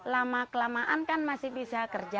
lama kelamaan kan masih bisa kerja